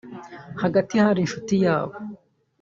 hagati hari inshuti yabo